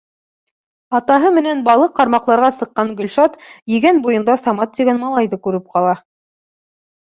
Атаһы менән балыҡ ҡармаҡларға сыҡҡан Гөлшат Егән буйында Самат тигән малайҙы күреп ҡала.